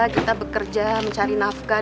gita bekerja mencari nafkah